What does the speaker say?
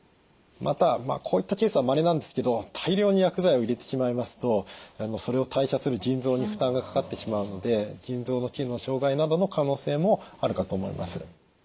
またこういったケースはまれなんですけど大量に薬剤を入れてしまいますとそれを代謝する腎臓に負担がかかってしまうので腎臓の機能障害などの可能性もあるかと思います。